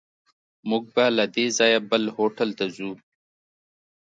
موږ به له دې ځایه بل هوټل ته ځو.